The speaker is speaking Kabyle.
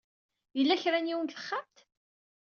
Yella ka n yiwen deg texxamt?